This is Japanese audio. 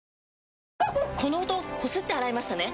この音こすって洗いましたね？